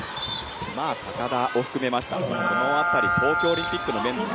高田を含めて、この辺り東京オリンピックのメンバー